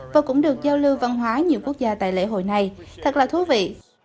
và cũng được giao lưu văn hóa nhiều quốc gia tại lễ hội này thật là thú vị